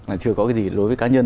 là chưa có cái gì đối với cá nhân